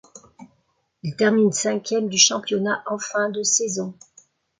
Il termine cinquième du championnat en fin de saison.